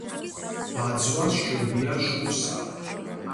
ბაძვა სჯობია შურსა